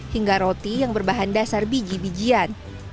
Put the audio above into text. hingga roti yang berbahan dasar biji bijian